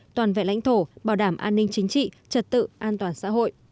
toàn vẹn lãnh thổ bảo đảm an ninh chính trị trật tự an toàn xã hội